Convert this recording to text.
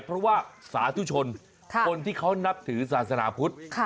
เพราะว่าสาธุชนคนที่เขานับถือศาสนาพุทธ